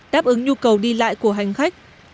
đáp ứng nhu cầu đi lại của hành khách